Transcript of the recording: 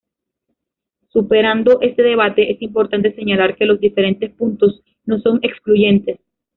Superando este debate, es importante señalar que los diferentes puntos no son excluyentes.